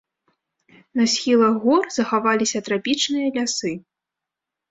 На схілах гор захаваліся трапічныя лясы.